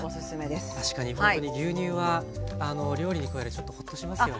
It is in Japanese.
確かに本当に牛乳は料理に加えるとちょっとホッとしますよね。